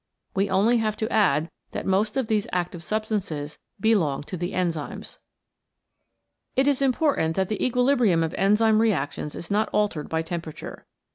We only have to add that most of these active substances belong to the enzymes. It is important that the equilibrium of Enzyme reactions is not altered by temperature.